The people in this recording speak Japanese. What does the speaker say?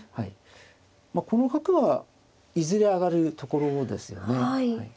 まあこの角はいずれ上がるところですよね。